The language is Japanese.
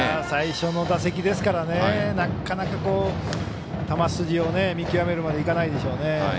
最初の打席ですからなかなか球筋を見極めるまでいかないでしょうね。